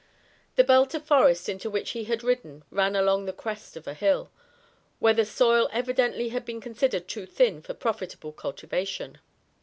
The belt of forest into which he had ridden, ran along the crest of a hill, where the soil evidently had been considered too thin for profitable cultivation.